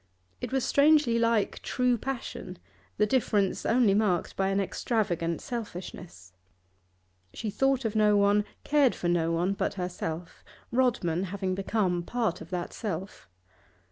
It was strangely like true passion, the difference only marked by an extravagant selfishness. She thought of no one, cared for no one, but herself, Rodman having become part of that self.